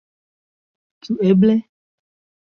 Ĉu eble!